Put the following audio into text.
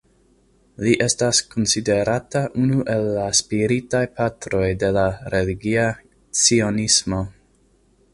Li estas konsiderata unu el la spiritaj patroj de la religia cionismo.